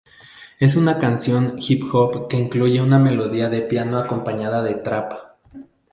Es una canción hip hop que incluye una melodía de piano acompañada de trap.